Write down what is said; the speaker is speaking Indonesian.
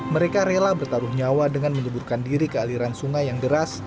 mereka rela bertaruh nyawa dengan menyeburkan diri ke aliran sungai yang deras